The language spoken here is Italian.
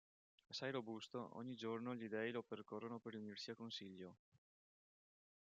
Assai robusto, ogni giorno gli dei lo percorrono per riunirsi a consiglio.